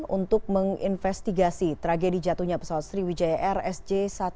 untuk menginvestigasi tragedi jatuhnya pesawat sriwijaya air sj satu ratus delapan puluh dua